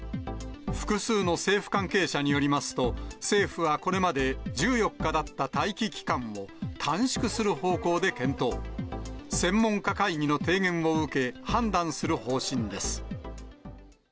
複数の政府関係者によりますと、政府はこれまで１４日だった待機期間を、短縮する方向で検討。専門家会議の提言を受け、判断する方針です。